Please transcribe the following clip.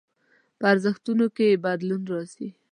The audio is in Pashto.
په ارزښتونو کې يې بدلون راځي.